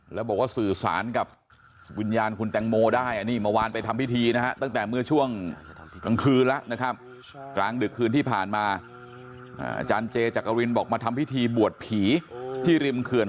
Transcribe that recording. แล้วบอกว่าสื่อสารกับวิญญาณคุณแตงโมได้อันนี้เมื่อวานไปทำพิธีนะฮะตั้งแต่เมื่อช่วงกลางคืนแล้วนะครับกลางดึกคืนที่ผ่านมาอาจารย์เจจักรินบอกมาทำพิธีบวชผีที่ริมเขื่อน